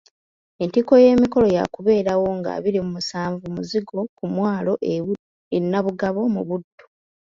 Entikko y'emikolo yaakubeerawo nga abiri mu musanvu Muzigo ku mwalo e Nabugabo mu Buddu.